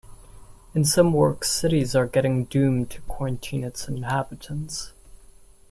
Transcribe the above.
In some works cities are getting "domed" to quarantine its inhabitants.